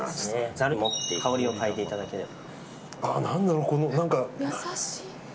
ざるを持って香りをかいでいただければ。